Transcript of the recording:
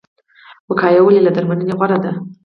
وقایه ولې له درملنې غوره ده؟